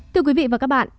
thưa quý vị và các bạn